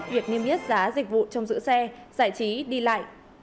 việc niêm yết giá dịch vụ trong giữ xe giải trí đi lại